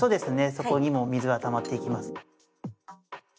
そこにも水がたまっていきます。